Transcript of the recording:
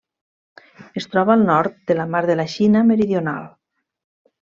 Es troba al nord de la mar de la Xina Meridional.